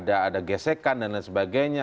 ada gesekan dan lain sebagainya